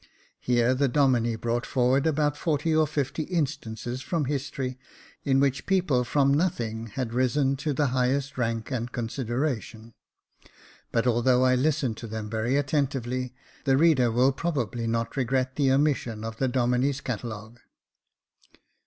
Here the Domine brought forward about forty or fifty instances from history, in which people from nothing had risen to the highest rank and consideration ; but, although I listened to them very attentively, the reader will pro bably not regret the omission of the Domine's catalogue.